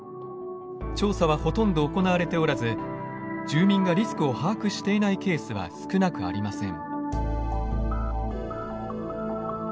調査はほとんど行われておらず住民がリスクを把握していないケースは少なくありません。